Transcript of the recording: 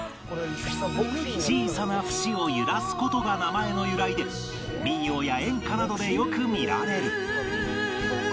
小さな節を揺らす事が名前の由来で民謡や演歌などでよく見られる